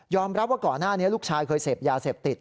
รับว่าก่อนหน้านี้ลูกชายเคยเสพยาเสพติด